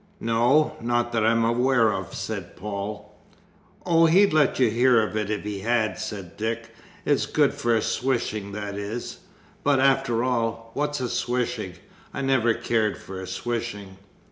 "No; not that I'm aware of," said Paul. "Oh, he'd let you hear of it if he had!" said Dick. "It's good for a swishing, that is. But, after all, what's a swishing? I never cared for a swishing."